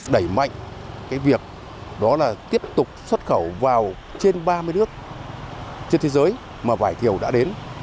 đẩy mạnh việc tiếp tục xuất khẩu vào trên ba mươi nước trên thế giới mà vải thiều đã đến